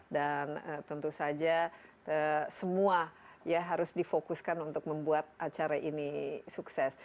dan tentu saja semua ya harus difokuskan untuk membuat acara ini sukses